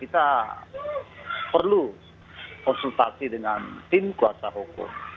kita perlu konsultasi dengan tim kuasa hukum